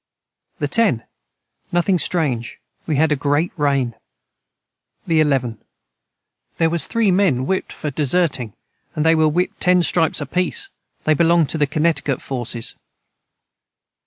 the 10. Nothing strange We had a great rain. the 11. Their was three men whipt for deserting they were whipt ten stripes apiece they belonged to the conecticut forces.